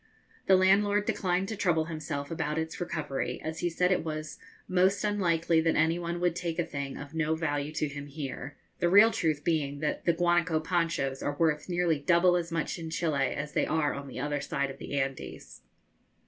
The landlord declined to trouble himself about its recovery, as he said it was 'most unlikely that any one would take a thing of no value to him here;' the real truth being that the guanaco ponchos are worth nearly double as much in Chili as they are on the other side of the Andes.